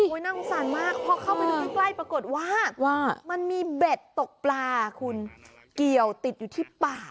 น่าสงสารมากพอเข้าไปดูใกล้ปรากฏว่ามันมีเบ็ดตกปลาคุณเกี่ยวติดอยู่ที่ป่า